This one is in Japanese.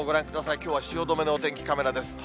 きょうは汐留のお天気カメラです。